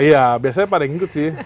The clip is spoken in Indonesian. iya biasanya pada yang ikut sih